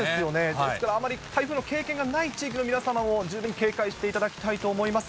ですからあまり台風の経験のない地域の皆様も、十分に警戒していただきたいと思います。